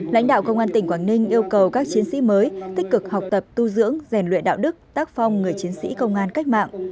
lãnh đạo công an tỉnh quảng ninh yêu cầu các chiến sĩ mới tích cực học tập tu dưỡng rèn luyện đạo đức tác phong người chiến sĩ công an cách mạng